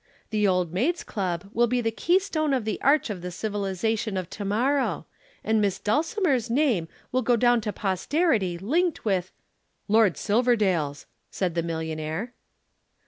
The Old Maids' Club will be the keystone of the arch of the civilization of to morrow, and Miss Dulcimer's name will go down to posterity linked with " "Lord Silverdale's," said the millionaire.